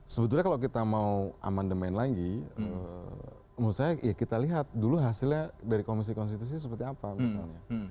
sebetulnya kalau kita mau amandemen lagi menurut saya ya kita lihat dulu hasilnya dari komisi konstitusi seperti apa misalnya